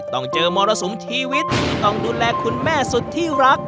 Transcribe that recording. ต้องเจอมรสุมชีวิตที่ต้องดูแลคุณแม่สุดที่รัก